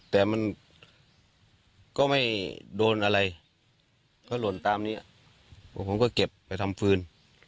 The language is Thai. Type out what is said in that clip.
แต่มันก็ไม่โดนอะไรก็หล่นตามนี้ผมก็เก็บไปทำฟืน